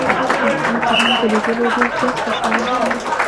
د افغان د نوم په لیدلو ډېر زیات خوشحاله شوم.